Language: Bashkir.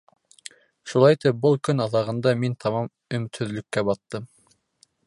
Шулай итеп, был көн аҙағында мин тамам өмөтһөҙлөккә баттым.